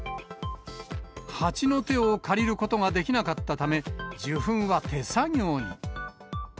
ハチの手を借りることができなかったため、受粉は手作業に。